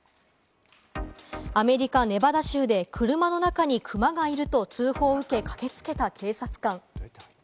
アメリカ・ネバダ州で車の中にクマがいると通報を受け、駆けつけた警察官。